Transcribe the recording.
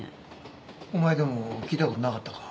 お前でも聞いた事なかったか。